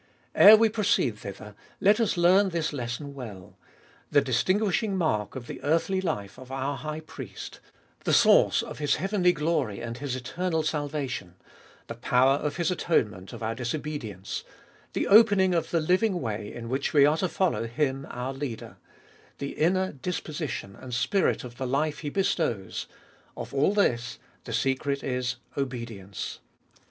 Ere we proceed thither let us learn this lesson well : The distinguishing mark of the earthly life of our High Priest ; the source of His heavenly glory and His eternal salvation ; the power of His atonement of our disobedience ; the opening of the living way in which we are to follow Him our Leader ; the inner disposition and spirit of the life He bestows ;— of all this, the secret is obedience.